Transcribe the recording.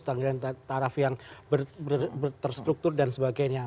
standar taraf yang terstruktur dan sebagainya